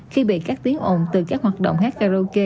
khi bị các tiếng ồn từ các hoạt động hát karaoke